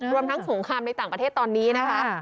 รวมทั้งสงครามในต่างประเทศตอนนี้นะคะ